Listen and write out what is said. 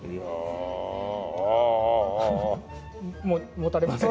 持たれませんか？